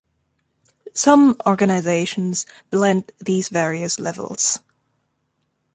Some organisations blend these various levels.